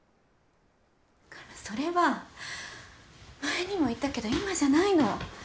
だからそれは前にも言ったけど今じゃないの。